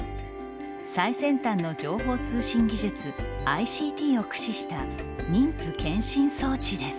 最先端の情報通信技術ＩＣＴを駆使した妊婦健診装置です。